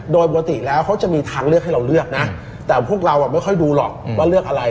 โดยปกติแล้วเขาจะมีทางเลือกให้เราเลือกนะแต่พวกเราไม่ค่อยดูหรอกว่าเลือกอะไร